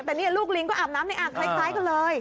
แต่นี่ลูกลิงก็อาบน้ำในอ่างคล้ายกันเลย